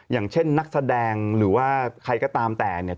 อย่างเช่นนักแสดงหรือว่าใครก็ตามแต่เนี่ย